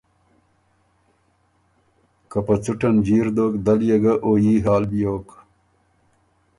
که په څُټن جیر دوک دل يې ګۀ او يي حال بیوک